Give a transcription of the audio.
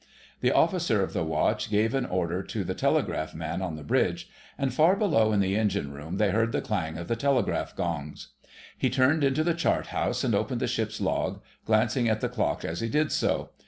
The Officer of the Watch gave an order to the telegraph man on the bridge, and far below in the Engine room they heard the clang of the telegraph gongs. He turned into the chart house and opened the ship's log, glancing at the clock as he did so.